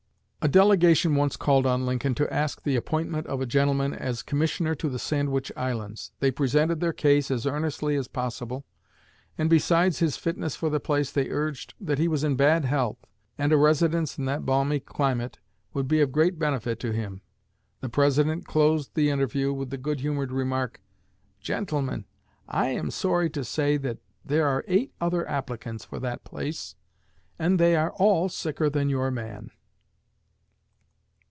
_'" A delegation once called on Lincoln to ask the appointment of a gentleman as commissioner to the Sandwich Islands. They presented their case as earnestly as possible, and, besides his fitness for the place, they urged that he was in bad health and a residence in that balmy climate would be of great benefit to him. The President closed the interview with the good humored remark: "Gentlemen, I am sorry to say that there are eight other applicants for that place, and they are _all sicker than your man.